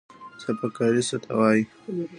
اضافه کاري څه ته وایي؟